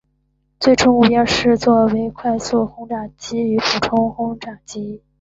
最初目标是作为快速轰炸机与俯冲轰炸机。